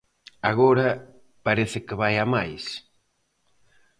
Agora parece que vai a máis.